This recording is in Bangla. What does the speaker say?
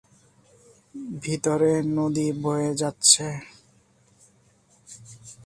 ভিতরে নদী বয়ে যাচ্ছে।